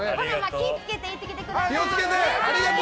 気ぃつけて行ってください。